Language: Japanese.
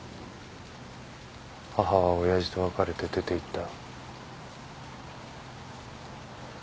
母は親父と別れて出ていった。